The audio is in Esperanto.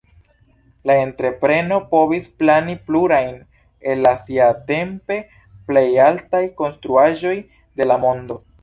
La entrepreno povis plani plurajn el la siatempe plej altaj konstruaĵoj de la mondo.